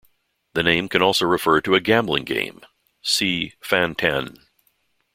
The name can also refer to a gambling game, see Fan-Tan.